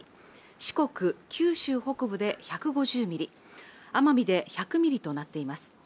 四国・九州北部で１５０ミリ奄美で１００ミリとなっています